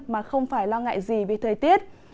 mà không phải lo ngại gì về thời tiết